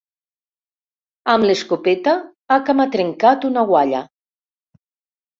Amb l'escopeta ha camatrencat una guatlla.